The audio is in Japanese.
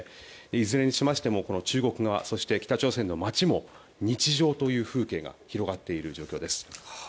いずれにしても中国側、北朝鮮の街も日常という風景が広がっている状況です。